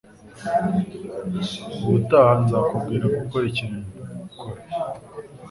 Ubutaha nzakubwira gukora ikintu, kora.